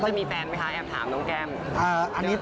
แล้วจะมีแฟนไหมคะโยแสกล้างแกล้งทำถามน้องแก้ม